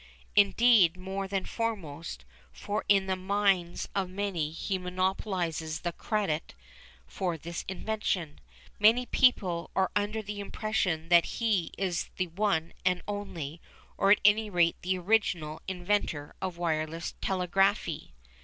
Indeed more than foremost, for in the minds of many he monopolises the credit for this invention. Many people are under the impression that he is the one and only, or at any rate the original, inventor of wireless telegraphy.